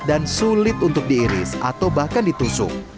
sulit untuk diiris atau bahkan ditusuk